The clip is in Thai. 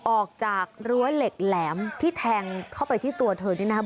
ออกจากรั้วเหล็กแหลมที่แทงเข้าไปที่ตัวเธอนี่นะครับ